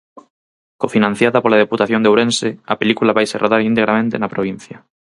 Cofinanciada pola Deputación de Ourense, a película vaise rodar integramente na provincia.